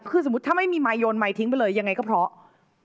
คือสมมุติถ้าไม่มีไมค์โยนไมค์ทิ้งไปเลยยังไงก็เพราะ